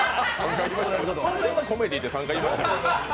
コメディーって３回言いましたよ。